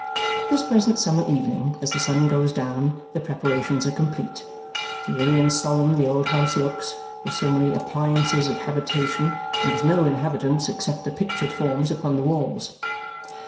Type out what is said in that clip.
This present summer evening, as the sun goes down, the preparations are complete. Dreary and solemn the old house looks, with so many appliances of habitation and with no inhabitants except the pictured forms upon the walls.